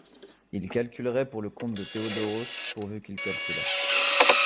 Il calculerait pour le compte de Theodoros, pourvu qu’il calculât.